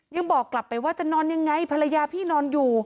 ยังบอกกลับไปว่าจะนอนยังไงภรรยาพี่นอนอยู่